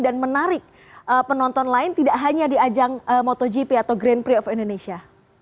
dan menarik penonton lain tidak hanya di ajang motogp atau grand prix of indonesia